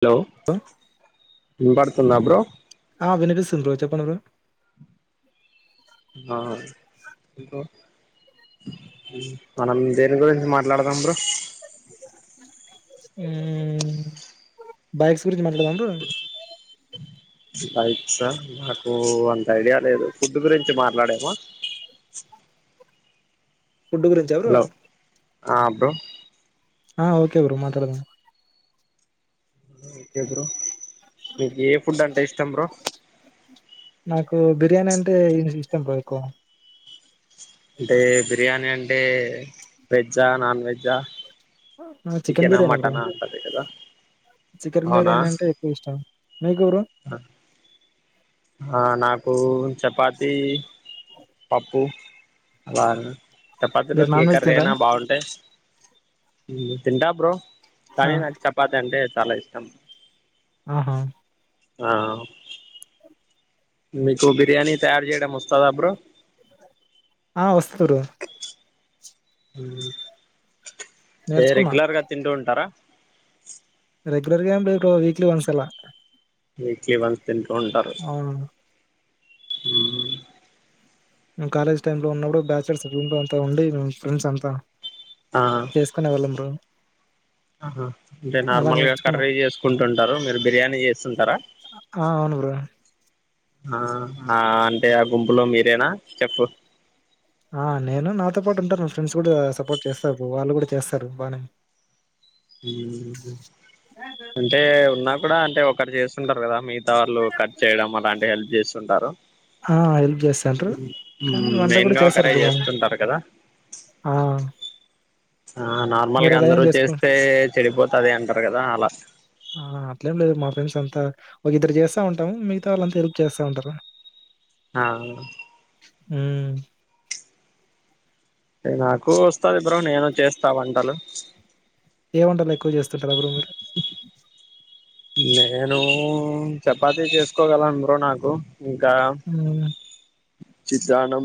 Hello bro వినపడుతుందా bro ఆ వినిపిస్తుంది బ్రో చెప్పండి బ్రో ఆ ఆ ఇంకో మనం దేని గురించి మాట్లాడదాం బ్రో [inaudible] ఉమ్ బైక్స్ గురించి మాట్లాడదాం బ్రో సారీ సార్ ఆ నాకు అంత ఐడియా లేదు ఫుడ్ గురించి మాట్లాడేమా [inaudible] ఫుడ్ గురించి ఆ బ్రో హలో ఆ బ్రో ఆ ఓకే బ్రో మాట్లాడదాం ఓకే బ్రో మీకు ఏ ఫుడ్ అంటే ఇష్టం బ్రో నాకు బిర్యానీ అంటే ఇష్టం బ్రో ఎక్కువ అంటే బిర్యానీ అంటే వెజ్ ఆ నాన్ వెజ్ ఆ చికెన్ ఆ మటన్ ఆ అంతది కాదా చికెన్ అవునా బిర్యానీ అంటే ఎక్కువ ఇష్టం మీకు బ్రో ఆ నా పు చపాతి పప్పు అర్ మీరు చపాతిలోకి ఏ నాన్ వెజ్ కర్ర తినరా అయినా బాగుంటాయి తింటా బ్రో ఆ కానీ నాకు చపాతి అంటే చాలా ఇష్టం ఆహా ఆ మీకు బిర్యానీ తయారు చేయడం వస్తదా బ్రో ఆ వస్తురు ఏ నేర్చుకున్నా రెగ్యులర్గా తింటూ ఉంటారా రెగులర్గా ఎంలేబ్రో వీక్లీ వన్స్ అలా వీక్లీ వన్స్ తింటూ ఉంటారు అవును ఊ కాలేజ్ టైమ్ లో ఉన్నప్పుడు బ్యాచలర్స్ రూమ్ లో అంతా ఉండి ఫ్రెండ్స్ అంతా ఆ చేసుకునే వాళ్ళం బ్రో ఆహా అంటే అలా నార్మల్గా నేర్చుకున్నాం కర్రీ చేసుకుంటుంటారు మీరు బిర్యానీ చేస్తుంటారా. నుబ్రో ఆ హ అంటే ఆ గుంపులో మీరేనా చెఫ్ ఆ నేను నాతో పాటు ఉంటారు నా ఫ్రెండ్స్ కూడా సపోర్ట్ చేస్తారు వాళ్ళు కూడా చేస్తారు బాగానే అంటే ఉన్నా కూడా అంటే ఒకరు చేస్తుంటారు కదా మీ ఆలు కట్ చేయడం అలాంటి హెల్ప్ చేస్తుంటారు ఆ! హెల్ప్ జేస్తంటారు. కానీ వంట గూడా మెయిన్గా చేస్తారు ఒకరే బ్రో. చేస్తుంటారు కదా ఆ! ఆ నార్మల్గా మీరలా ఏం అందరు జేసుకో చేస్తే చెడిపోతది అంటారు కదా అలా ఆ! అట్లేం లేదు. మా ఫ్రెండ్స్ అంతా ఒక ఇద్దరు చేస్తంటాము మిగతా వాళ్ళంతా హెల్ప్ చేస్తా ఉంటారు ఆవ్ ఊ నాకు వస్తది బ్రో నేను చేస్తా వంటలు ఏ వంటలు ఎక్కువ చేస్తుంటారు ఎవరు మీరు నేను చపాతీ చేసుకోగలను బ్రో నాకు ఇంకా హ్మ్. చిత్రాన్నం,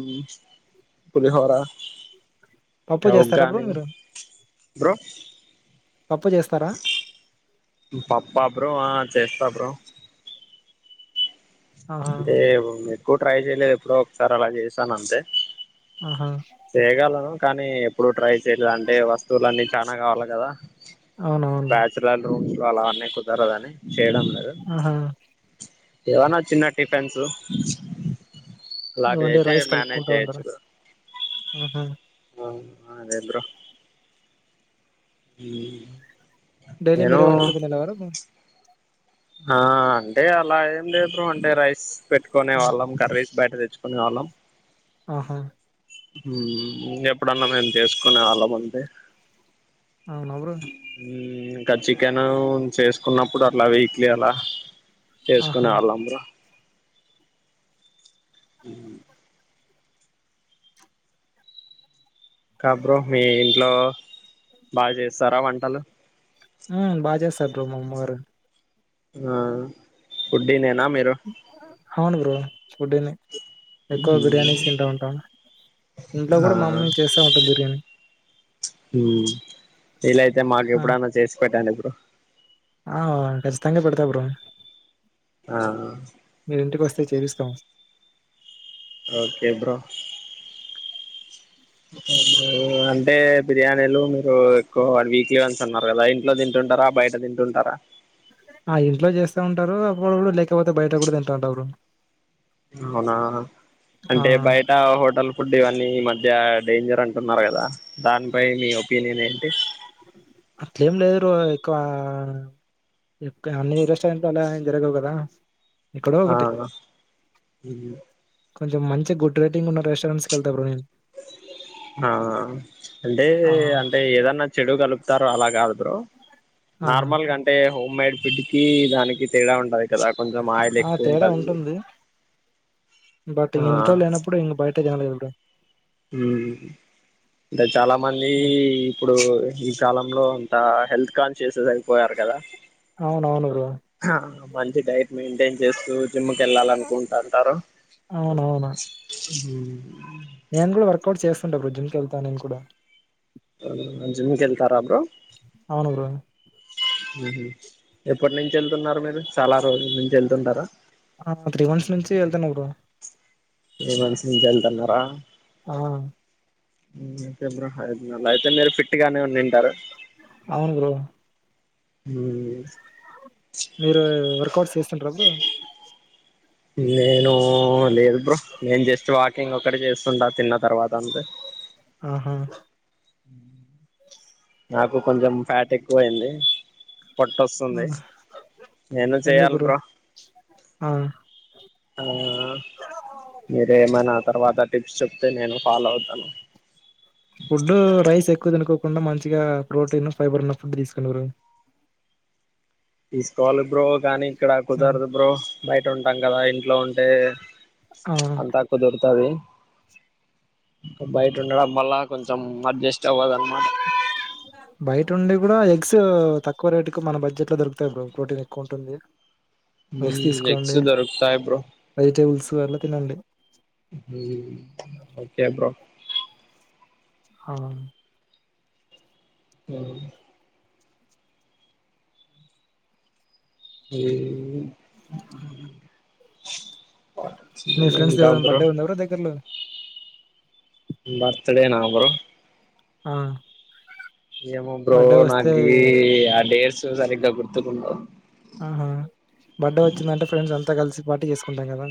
పులిహోరా పప్పు చేస్తార బ్రో మీరు బ్రో పప్పు జేస్తారా? పాప్పా బ్రో ఆ చేస్తా బ్రో ఆహా! అదే ఎక్కువ ట్రై చేయలేదు ఎప్పుడుఒకసారి అలా చేసాను అంతే ఆహా! చేయగలను కానీ ఎప్పుడు ట్రై చేయాల్ల అంటే వస్తువులు అన్నీ చాన కావాలి కదా అవునవును. బ్యాచలర్లు అలానే కుదరదనీ అని చేయడం లేదు ఆహా! ఏవన్నా చిన్న టిఫెన్స్ ఎవండి రైస్ కల్పుకుంటా ఉంటార ఉహు ఆ అదే బ్రో మ్మ్ డైలీ మీరే వండకు దినేవారండి ఆ అంటే అలా ఏం లేదు బ్రో అంటే రైస్ పెట్టుకునే ఆహా! వాళ్ళం కర్రీస్ బయట తెచ్చు పొద్దుగాలాం ఆహా ము ఎప్పుడన్నా మేము చేసుకునే వాళ్ళం అంతే అవునా బ్రో? మ్మ్ ఇంకా చికెన్ చేసుకున్నప్పుడు అట్లా వీక్లీ అలా చేసుకునే ఆహా! వాళ్ళం బ్రో మూ ఇంకా బ్రో మీ ఇంట్లో బాగా చేస్తారా వంటలు సపు్రమమ్మర [inaudible] ఆ ఫుడ్డీ నేనా మీరు అవును బ్రో ఫుడ్డీనేఎక్కువ మ్మ్ బిర్యానీస్ తింటా ఉంటా ఇంట్లో ఆ కూడా మామ్మీ చేస్తా ఉంటాదీ బిర్యానీ హు వీలైతే మాకు ఆ! ఎప్పుడన్నా చేసి పెట్టాండి బ్రో ఆ ఖచ్చితంగా పెడుతా బ్రో ఆ హో మీరు ఇంటికి వస్తే చేపిస్తాం ఓకే బ్రో ఇంకేం బ్రో అంటే బిర్యానీలు మీరు ఎక్కువ వీక్లీ వన్స్ ఉన్నారు కదా ఇంట్లో దింటే తింటారా బయట తింటుంటారా ఆ ఇంట్లో చేస్తా ఉంటారు అప్పుడప్పుడు లేకపోతే బయట కూడా తింటాంట బ్రో అవునా ఆ! అంటే బయట హోటల్ బిర్యానీ ఈ మధ్య డేంజర్ అంటున్నారు కదా దానిపై మీ ఒపీనియన్ ఏంటి అట్లేం లేదు బ్రో ఎక్కువ ఇక అన్ని రెస్టారెంట్ లో అలాఎమ్ జరగవు కదా ఎక్కడో ఒకటి ఆవున హు హు కొంచెం మంచి గుడ్ రేటింగ్ ఉన్న రెస్టారెంట్స్ కి వెళ్తా బ్రో నేను ఆ అంటే ఆ! అంటే ఏదన్నా చెడు కలుపుతార అలా కాదు బ్రో ఆ! నార్మల్ గా అంటే హోమ్ మైయిడ్ ఫిడ్ కీ దానికి తేడా ఉంటది కదా కొంచెం అయిల్ ఆ! ఎక్కువ తేడా ఉంటాది ఉంటుంది. బట్ ఇంకా ఇంటిలో లేనప్పుడు ఇంకా బయట తినాలి కదా బ్రో హ్మ్ చాలా మంది ఇప్పుడు ఈ కాలంలో అంత హెల్త్ కాన్షియసెస్ అయిపోయారు కదా అవును అవును బ్రో హ మంచి డైట్ మెయింటైన్ చేస్తూ జిమ్ కి వెళ్ళాలనుకుంటాంటారు నిను కూడా వర్కౌట్ చేస్తుంటా బ్రో జిమ్ కి వెళ్తా నిను కూడా జిమ్ కి వెళ్తారా బ్రో అవును బ్రో ఉ హు ఎప్పటి నుంచి వెళ్తున్నారు మీరు చాలా రోజుల నుంచి వెళ్తుంటారా ఆ త్రీమంత్స్ నుంచి వెళ్తాన్న బ్రో త్రీ మంత్స్ నుంచి వెళ్తున్నారా ఆ ఓకే బ్రో అయితే మీరు ఫిట్ గానే ఉంటారు. అవును బ్రో హ మీరు వర్కౌట్ చేస్తుంటారు బ్రో నేను లేదు బ్రో నేను జస్ట్ వాకింగ్ ఒకటి చేస్తుంటా తిన్న తర్వాత అంతే ఆహా నాకు కొంచెం ఫ్యాట్ ఎక్కువ అయింది. ఆ పొట్టస్తుంది నేను చేయాలి బ్రో ఆ ఆ మీరేమైనా తర్వాత టిప్స్ చెప్తే నేను ఫాలో అవుతాను ఎక్కు తినుకోకుండా మంచిగా ప్రోటీన్ ఫైబర్ ఉన్న ఫుడ్ తీసుకొనిరు ఈ స్కాల్ బ్రో కాని ఇక్కడ కుదరదు బ్రో బయట ఉంటాం కదా ఇంట్లో ఉంటే ఆ అంతా కు దరుతది బయట ఉండడం వల్ల కొంచెం అడ్జెస్ట్ చవాదన మా ఆ ఎగ్స్ తక్కువ రేటు కు మన బడ్జెట్ లో దొరుకుతాయి బ్రో ప్రోటీన్ ఎక్కువ ఉంటుంది రెస్ట్ తీసుకోండి ఎగ్స్ దొరుకుతాయి బ్రో వెజిటేబుల్స్ అట్లా తినండి ఊ ఓకే బ్రో అహ అ ఏ మీ ఫ్రెండ్స్ ఏదైనా బర్డే ఉందిరా దగ్గరలో బర్త్ డే నా బ్రో ఆ ఏమో బ్రో బర్త్డే వస్తే నాకి ఆ డేర్స్ సరిగ్గా గుర్తుకుండవ్ ఆహా బర్త్డే వచ్చిందంటే ఫ్రెండ్స్ అంతా కలిసి పార్టీ చేసుకుంటాం కదా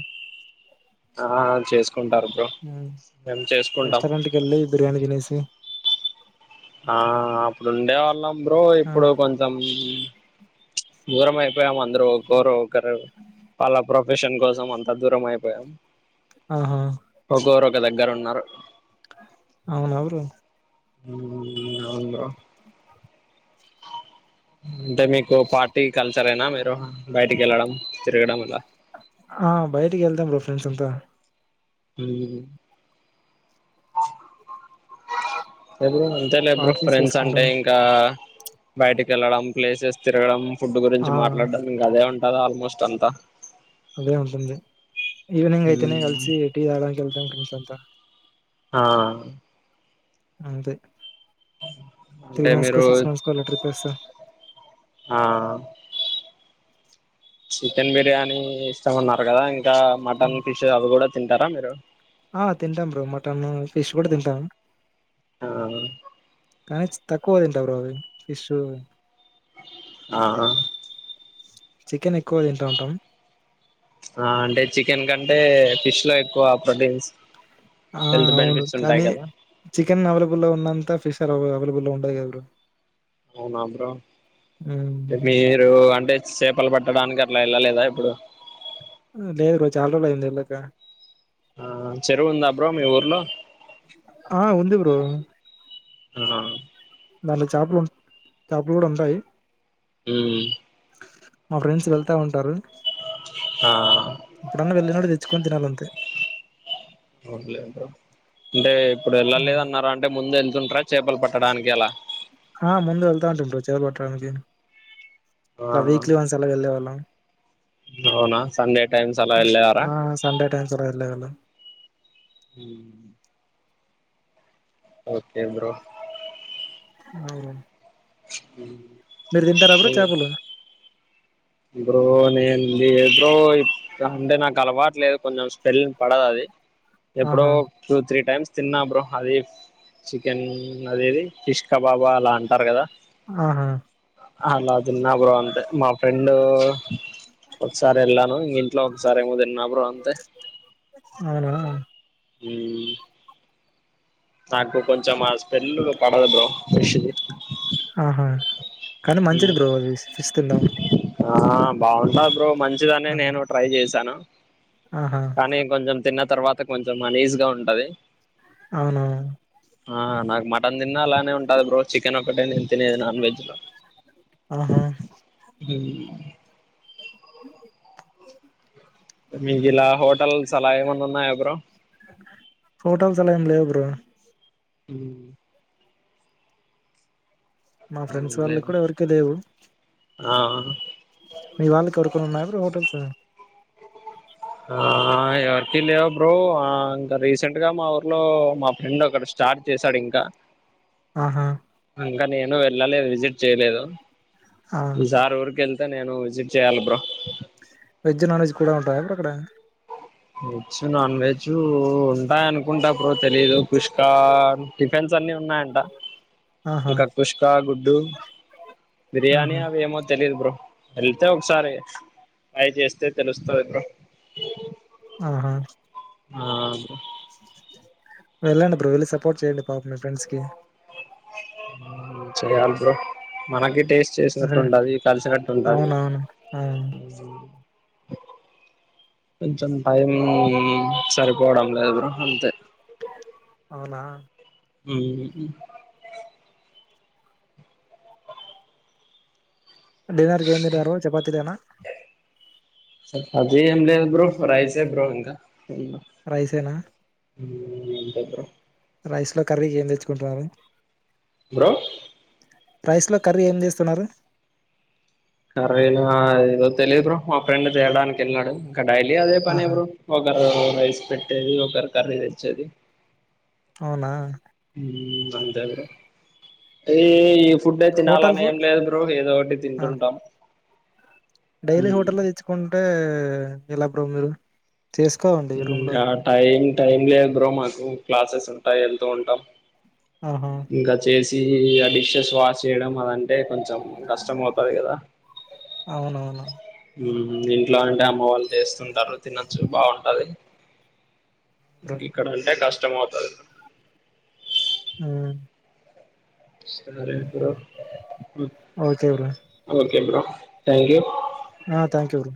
ఆ చేసుకుంటారు బ్రో ఆ మేము చేసుకుంటాం రెస్టరెంట్ కి వెళ్లి బిర్యానీ తీనేసి ఆ అప్పుడు ఉండే వాళ్ళం బ్రో ఆ! ఇప్పుడు కొంచెం దూరం అయిపోయాము అందరు ఒక ఒకరో ఒకరు వాళ్ళ ప్రొఫెషన్ కోసం అంతా దూరం అయిపోయాం ఆహా క దగ్గర ఉన్నారు అవున బ్రో ఊ అవున్ బ్రో అంటే మీకు పార్టీ కల్చరేనా మీరు బయటి కి వెళ్ళడం తిరగడం ఆల ఆ బయటికి వెళ్తాం బ్రో ఫ్రెండ్స్ అంత ఊ అ ఎప్పుడూ అంతే లే బ్రో ఫ్రెండ్స్ అంటే ఇంకా బయటికి వెళ్లడం ప్లేసెస్ తిరగడం ఫుడ్ గురించి ఆ మాట్లాడడం ఇంకా అదే ఉంటది ఆల్మోస్ట్ అంతా అదే ఉంటుందింది ఈవినింగ్ అయితేనే కలిసి టీ తాగడానికి వెళ్తాం ఫ్రెండ్స్ అంతా ఆ అంతే త్రీ అంటే మంత్స్ కో మీరు సిక్స్ మంత్స్ కో అలా ట్రిప్ వేస్తాం ఆ చికెన్ బిర్యానీ ఇష్టం ఆన్నారు కదా ఇంకా మటన్ ఫిష్ అవి కూడా తింటార మిరు ఆ తింటాం బ్రో మటన్ ఫిష్ కూడా తింటాము ఆ కాని తక్కువ తింటాను అవి బ్రో పీష్ ఆహా చికెన్ ఎ ఆ అంటే చికెన్ కా అంటే ఫిష్ లో ఎక్కువ ప్రొటిన్స్ ఆ అవును కానీ చికెన్ ఆవేలబుల్ లో ఉన్నంత పిష్ అవైలబుల్ ఉండదు కదా బ్రో అవునా బ్రో హ్మ్. మీరు అం అంటే చేపలు పట్టడానికి అట్లా వెళ్ళలేదా ఎప్పుడు లేదు బ్రో చాలా రోజులు అయింది వేళ్ళక ఆ చెరువు ఉందా అ బ్రో మీ ఊర్లో ఆ ఉంది బ్రో అహా మళ్ళీ చేపలు చేపలు కూడా ఉంటాయి ఊ మా ఫ్రెండ్స్ వెళ్తా ఉంటారు ఆ ఎప్పుడన్నా వెళ్ళినపుడు తెచ్చుకొని తినాలి అ అవుట్లే బ్రో అంటే ఇప్పుడు వెళ్ళలేదన్నారా అంటే ముందు వె ళ్తుట్ర చేపలు పట్టడానికి ఎలా ఆ ముందు వెళ్తా ఉంటుంట్రు బ్రో చెపలు పట్టడానికి ఆ ఇలా వీక్లీ వన్స్ ఎలా వెళ్ళేవాళ్ళం అవునా సండే టైమ్స్ అలా వెళ్ళారా ఆ సండే టైమ్స్ అలా వెళ్ళే వాళ్ళం హ ఓకే బ్రో అవునా హ మీరు తిన్తటరా బ్రో చాపలు బ్రో నేను లేదు బ్రో అంటే నాకు అలవాటు లేదు కొంచెం స్పెల్లింగ్ పడదు అది ఎప్పుడో ఆహా టూ త్రీ టైమ్స్ తిన్న బ్రో అది చికెన్ అదది ఫిష్ కబాబా అలా అంటారు కదా ఆహా అలాదిన్న బ్రో అంతే మా ఫ్రెండ్ ఒకసారి వెళ్ళాను ఇగ ఇంట్లో ఒకసారి ఏమో తిన్న బ్రో అంతే అవునా హ నాకు కొంచెం స్మెల్ పడదు బ్రో ఫిష్ధీ ఆహా కానీ మంచిది బ్రో అది ఫిష్ తినడం ఆ బాగుంటా బ్రో మంచిదనే ఆ, నేను ట్రై చేశాను ఆహా కానీ కొంచెం తిన్న తర్వాత కొంచెం ఆనీజీగా ఉంటది అవునా ఆ నాకు మటన్ తిన్నా అలానే ఉంటది బ్రో చికెన్ ఒకటే నేను తినేది నాన్ వెజ్ లో ఆహా హ మీకు ఇలా హోటల్స్లా ఏమన్నా ఉన్నాయా బ్రో హోటల్స్ అలా ఏం లేవు బ్రో హ మా ఫ్రెండ్స్ వాళ్ళ కూడా ఎవరికే లేవు ఆ మీ వాళ్ళకి యేరకున్న ఉన్నాయా బ్రో హోటల్స్ ఆ ఎవరికి లేవు బ్రో ఇంకా రీసెంట్ గా మా ఊర్లో మా ఫ్రెండ్ ఒకడి స్టార్ట్ చేసాడు ఇంకా ఆహా ఇంకా నేను వెళ్ళలేదు విజిట్ చేయలేదు ఆ ఈ సార్ ఊరిక వెళ్తే నేను విజట్ చేయ్యల్ బ్రో వెజ్ నాన్వెజ్ కూడా ఉంటాయా అప్పుడు అక్కడ వెజ్ నాన్ వెజ్ ఉంటాయి అనుకుంటా ఏమో తెలీదు కుష్కా టిఫెన్స్ అన్ని ఉన్నాయంట ఆహా ఇంకా కుష్కా గు గుడ్డు బిర్యానీ ఆహా అవిమో తెలియదు బ్రో వెళ్తే ఒకసారి అయి ట్రై చేస్తే తెలుస్తస్తాది బ్రో ఆహా ఆ వెళ్ళండి బో వెళ్ళి సపోర్ట్ చేయండి పాపం మీ ఫ్రెండ్స్ కి చేయల్ బ్రో మనకి టేస్ట్ మీ ఫ్రెండ్ చేసినట్టుండది కలిసినట్టు ఉంటది అవునవును ఆ కొంచెం టైం సరిపోవడం లేదు బ్రో అంతే అవునా ఉం డిన్నర్ క ఏం తినారు చపాతీ లేనా సబ్జి ఏంలేదు బ్రో రైసే బ్రో ఇంక రైసేనా హ్ అంతే బ్రో రైస్ లో కర్రీ ఏం తెచ్చుకుంటున్నారు బ్రో రైస్ లో కర్రీ ఏం చేస్తున్నారు కర్రి నా ఏదో తెలిదు మా ఫ్రెండ్ తేడానికి వెళ్ళినాడు ఇక డైలి అదే పనే ఆహా బ్రో ఒకరు రైస్ పెట్టేది ఒకరు కర్రీ తెచ్చేది అవునా ఉ అంతే బ్రో ఈ ఇ ఫుడ్డే హోటల్ తినాలని ఏం ఫుడ్ లేదు బ్రో ఏదో ఒకటి ఆ తింటుంటాం డైలీ హోటల్లో తెచ్చుకుంటే ఎలా బ్రో మీరు చేసుకోవండి రూమ్ లో ఇంకా టైం టైం లేదు బ్రో మాకు క్లాసెస్ ఉంటాయి వెళ్తూ ఉంటాం ఆహా ఇంకా చేసి ఆ డిషెస్ వాష్ చేయ్యడం అలా అంటే కొంచెం కష్టం అవుతది కదా అవునవును ఉ ఇంట్లో అంటే అమ్మ వాళ్ళు చేస్తుంటారు తినొచ్చు బాగుంటది బ్రో ఇంక ఇక్కడ అంటే కష్టం అవుతది ఆ సరే bro okay bro okay bro thank you ఆ థ్యాంక్ యూ బ్రో